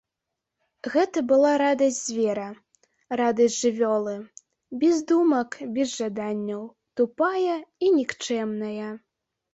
Гэта была радасць звера, радасць жывёлы, без думак, без жаданняў, тупая і нікчэмная.